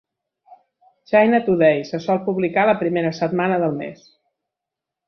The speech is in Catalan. "China Today" se sol publicar la primera setmana del mes.